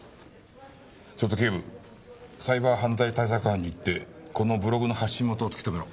それとケイブサイバー犯罪対策班に行ってこのブログの発信元を突き止めろ。